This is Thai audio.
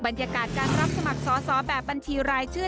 บรรยากาศการรับสมัครสอสอแบบบัญชีรายชื่อ